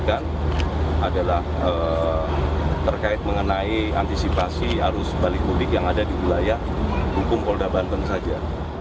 yang adalah terkait mengenai antisipasi arus balik mudik yang ada di wilayah hukum polda banten saja